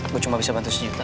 gue cuma bisa bantu sejuta